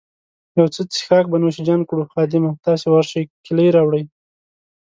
یو څه څیښاک به نوش جان کړو، خادمه، تاسي ورشئ کیلۍ راوړئ.